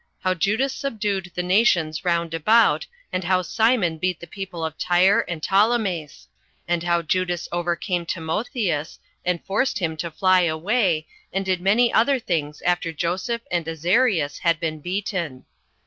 How Judas Subdued The Nations Round About; And How Simon Beat The People Of Tyre And Ptolemais; And How Judas Overcame Timotheus, And Forced Him To Fly Away, And Did Many Other Things After Joseph And Azarias Had Been Beaten.